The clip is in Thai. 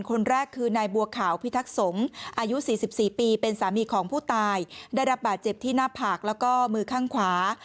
คนแรกคือนายบัวขาวพิทักษงศ์อายุ๔๔ปีเป็นสามีของผู้ตายได้รับบาดเจ็บที่หน้าผากแล้วก็มือข้างขวา